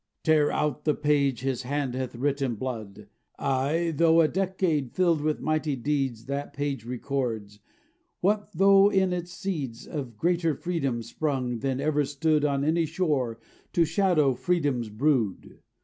_) "Tear out the page his hand hath writ in blood." Aye! tho' a decade filled with mighty deeds That page records; what though in it the seeds Of greater freedom sprung, than ever stood On any shore, to shadow freedom's brood.